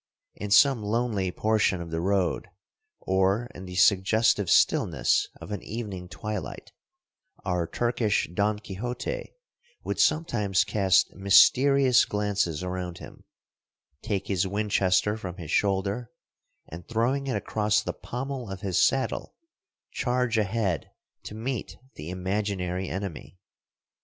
In some lonely portion of the road, or in the suggestive stillness of an evening twilight, our Turkish Don Quixote would sometimes cast mysterious glances around him, take his Winchester from his shoulder, and throwing it across the pommel of his saddle, charge ahead to meet the imaginary enemy.